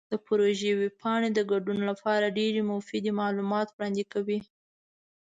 د پروژې ویب پاڼه د ګډون لپاره ډیرې مفیدې معلومات وړاندې کوي.